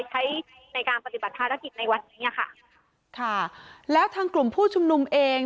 ใช้ในการปฏิบัติภารกิจในวันนี้อ่ะค่ะแล้วทางกลุ่มผู้ชุมนุมเอง